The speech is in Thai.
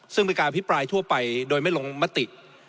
ซึ่งเป็นการอภิปรายทั่วไปโดยไม่ลงมติ